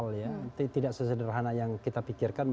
untuk menelan gbhn yang turkey